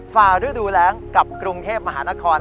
ฝ่าฤดูแรงกับกรุงเทพมหานคร